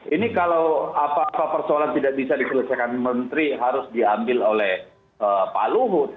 ini kalau apa apa persoalan tidak bisa diselesaikan menteri harus diambil oleh pak luhut